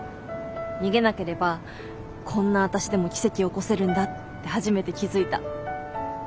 逃げなければこんな私でも奇跡起こせるんだって初めて気付いた。